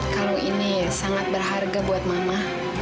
kalau ini sangat berharga buat mama